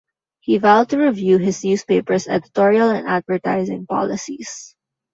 He vowed to review his newspaper's editorial and advertising policies.